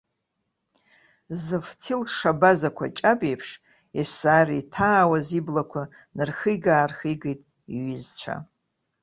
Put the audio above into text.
Зыфҭил шабаз акәаҷаб еиԥш, есааира иҭаауаз иблақәа нырхига-аархигеит иҩызцәа.